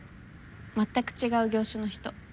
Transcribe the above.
全く違う業種の人。